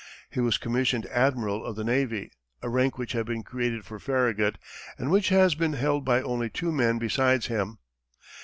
He was commissioned admiral of the navy, a rank which had been created for Farragut, and which has been held by only two men besides him.